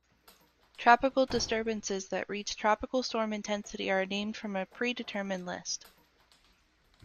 Tropical disturbances that reach tropical storm intensity are named from a pre-determined list.